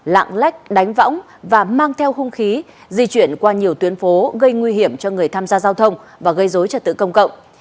lạng lách đánh võng và mang theo hung khí di chuyển qua nhiều tuyến phố gây nguy hiểm cho người tham gia giao thông và gây dối trật tự công cộng